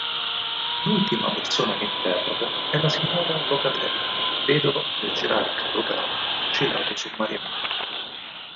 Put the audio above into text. L'ultima persona che interroga è la signora Locatelli, vedova del gerarca locale fucilato sommariamente.